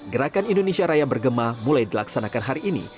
gerakan indonesia raya bergema mulai dilaksanakan hari ini